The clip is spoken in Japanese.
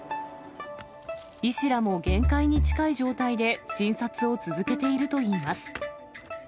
医師らも限界に近い状態で診察を続けているといいます。